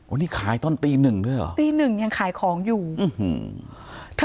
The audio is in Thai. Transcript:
นี่ขายตอนตีหนึ่งด้วยเหรอตีหนึ่งยังขายของอยู่อื้อหือถ้า